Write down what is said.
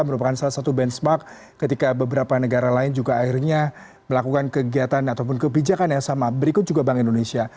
merupakan salah satu benchmark ketika beberapa negara lain juga akhirnya melakukan kegiatan ataupun kebijakan yang sama berikut juga bank indonesia